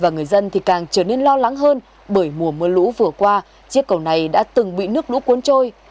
và người dân thì càng trở nên lo lắng hơn bởi mùa mưa lũ vừa qua chiếc cầu này đã từng bị nước lũ cuốn trôi